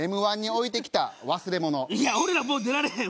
いや俺らもう出られへん。